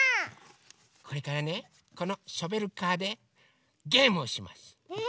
これからねこのショベルカーでゲームをします。え？